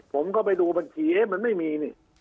ผมก็ไปดูบังคิมเอ๊ะมันไม่มี